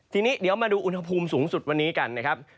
ทีนี้เดี๋ยวมาดูอุณหภูมิสูงสุดวันนี้กันนะครับ